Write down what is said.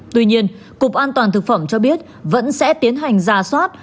tuy nhiên cục an toàn thực phẩm cho biết vẫn sẽ tiến hành giả soát